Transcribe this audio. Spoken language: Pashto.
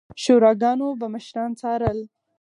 شوراګانو به مشران څارل